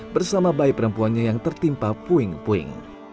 bersama bayi perempuannya yang tertimpa puing puing